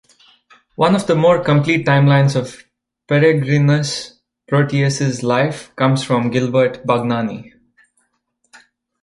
One of the more complete timelines of Peregrinus Proteus' life comes from Gilbert Bagnani.